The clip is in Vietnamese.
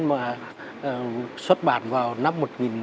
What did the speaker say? mà xuất bản vào năm một nghìn tám trăm năm mươi năm